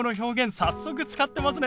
早速使ってますね。